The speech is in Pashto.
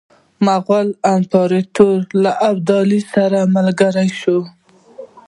مغول امپراطور له ابدالي سره ملګری شو.